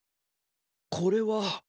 これは？